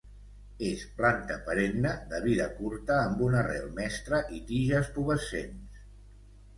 És planta perenne de vida curta amb una arrel mestra i tiges pubescents.